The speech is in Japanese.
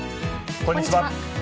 こんにちは。